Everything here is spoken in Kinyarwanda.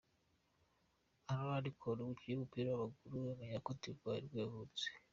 Arouna Koné, umukinnyi w’umupira w’amaguru w’umunyakote d’ivoire nibwo yavutse.